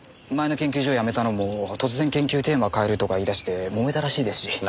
前の研究所を辞めたのも突然研究テーマを変えるとか言い出してもめたらしいですし。